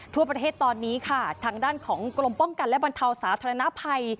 ทั่วประเทศตอนนี้ค่ะทางด้านของกรมป้องกันและบรรเทาสาธารณภัย